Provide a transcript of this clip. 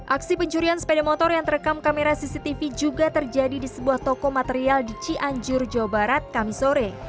aksi pencurian sepeda motor yang terekam kamera cctv juga terjadi di sebuah toko material di cianjur jawa barat kami sore